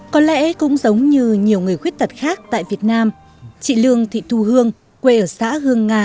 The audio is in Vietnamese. có lẽ cũng giống như nhiều người khuyết tật khác tại việt nam chị lương thị thu hương quê ở xã hương nga